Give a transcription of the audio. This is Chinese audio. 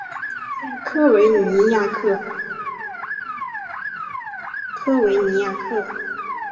科维尼亚克。